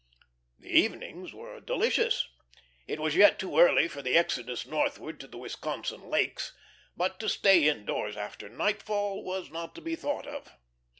The evenings were delicious. It was yet too early for the exodus northward to the Wisconsin lakes, but to stay indoors after nightfall was not to be thought of.